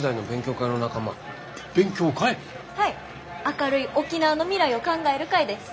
「明るい沖縄の未来を考える会」です。